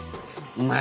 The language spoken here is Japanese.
うまい。